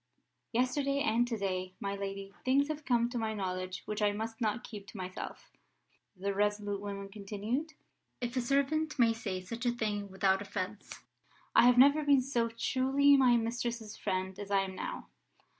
"Yesterday and to day, my lady, things have come to my knowledge which I must not keep to myself," the resolute woman continued. "If a servant may say such a thing without offence, I have never been so truly my mistress's friend as I am now.